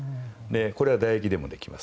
これはだ液でもできます。